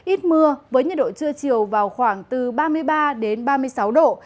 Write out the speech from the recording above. ít mưa với nhiệt độ trưa chiều vào khoảng từ ba mươi ba đến ba mươi sáu độ